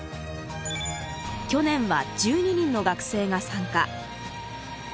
去年は１２人の学生が参加。